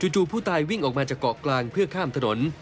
จู่ผู้ตายวิ่งออกมาจากเกาะกลางเพื่อข้ามถนน